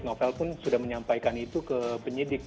novel pun sudah menyampaikan itu ke penyidik